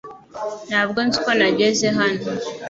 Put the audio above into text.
Ntabwo nzi uko nageze hano .